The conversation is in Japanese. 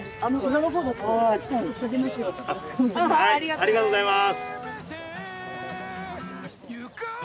ありがとうございます。